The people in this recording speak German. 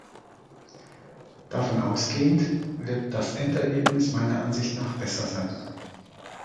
Davon ausgehend wird das Endergebnis meiner Ansicht nach besser sein.